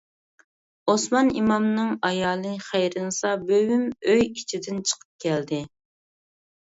ئوسمان ئىمامنىڭ ئايالى خەيرىنىسا بۈۋىم ئۆي ئىچىدىن چىقىپ كەلدى.